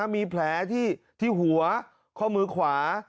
มีแผลที่หัวข้อมือขวา